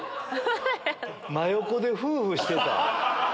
真横でフフしてた。